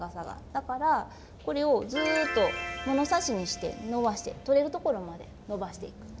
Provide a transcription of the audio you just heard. だからこれをずっと物差しにしてのばしてとれるところまでのばしていく。